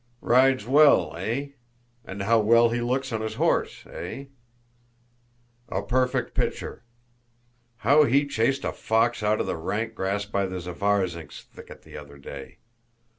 "Rides well, eh? And how well he looks on his horse, eh?" "A perfect picture! How he chased a fox out of the rank grass by the Zavárzinsk thicket the other day!